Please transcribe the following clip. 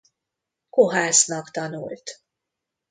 Kohásznak tanult.